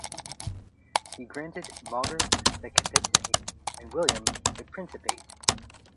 He granted Mauger the Capitanate and William the Principate.